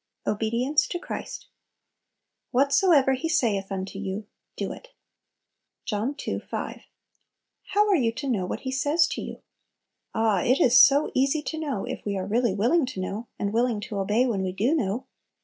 Obedience to Christ. "Whatsoever He saith unto you, do it." John ii. 5. How are you to know what He says to you? Ah, it is so easy to know if we are really willing to know, and willing to obey when we do know!